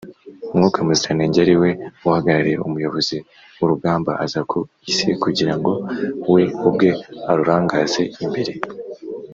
mwuka muziranenge, ari we uhagarariye umuyobozi w’urugamba, aza ku isi kugira ngo we ubwe arurangaze imbere